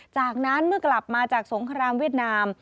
จากนั้นเมื่อกลับมาจากสงครามเวียดนาม